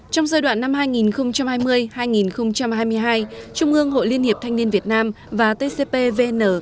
trong giai đoạn năm hai nghìn hai mươi hai nghìn hai mươi hai trung ương hội liên hiệp thanh niên việt nam và tcpvn